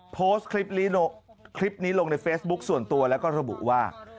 โพสต์คลิปนี้ลงในเฟซบุ๊คส่วนตัวแล้วก็ระบุว่า